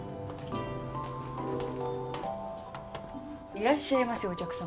いらっしゃいませお客様。